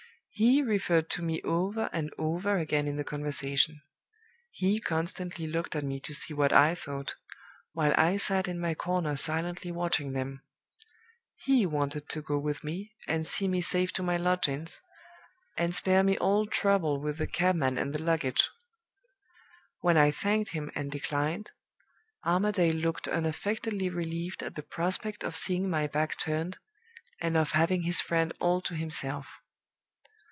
He referred to me over and over again in the conversation; he constantly looked at me to see what I thought, while I sat in my corner silently watching them; he wanted to go with me and see me safe to my lodgings, and spare me all trouble with the cabman and the luggage. When I thanked him and declined, Armadale looked unaffectedly relieved at the prospect of seeing my back turned, and of having his friend all to himself.